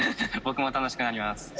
僕も楽しくなります